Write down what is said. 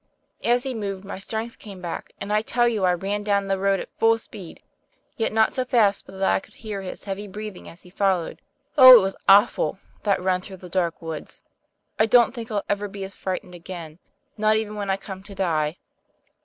As he moved, my strength came back, and I tell you I ran down the road at full speed; yet not so fast but that I could hear his heavy breathing as he followed. Oh, it was awful that run through the dark woods! I don't think I'll ever be as frightened again, not even when I come to die.